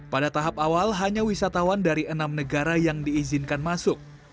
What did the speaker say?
pada tahap awal hanya wisatawan dari enam negara yang diizinkan masuk